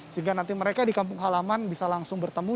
sehingga nanti mereka di kampung halaman bisa langsung bertemu